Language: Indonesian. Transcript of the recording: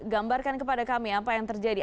gambarkan kepada kami apa yang terjadi